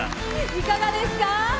いかがですか？